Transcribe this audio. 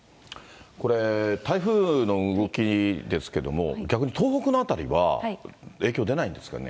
これ、台風の動きですけれども、逆に東北の辺りは影響出ないんですかね。